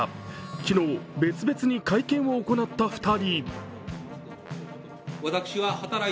昨日、別々に会見を行った２人。